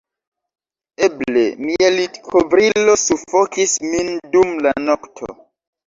Eble mia litkovrilo sufokis min dum la nokto...